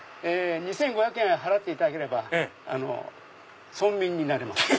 ２５００円払っていただければ村民になれます。